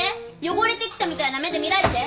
汚れてきたみたいな目で見られて。